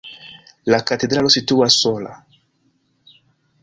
La katedralo situas sola.